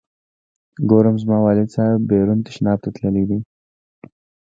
ګورم زما والد صاحب بیرون تشناب ته تللی دی.